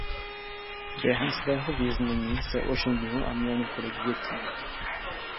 Během svého věznění se oženil a měl několik dětí.